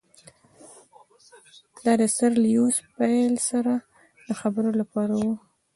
دا د سر لیویس پیلي سره د خبرو لپاره وو.